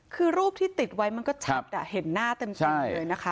คือรูปที่ติดไว้มันก็ชัดเห็นหน้าเต็มเลยนะคะ